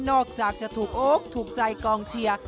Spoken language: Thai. นอกจากจะถูกโอ้ดถูกใจกล้องเซีย